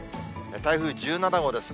台風１７号です。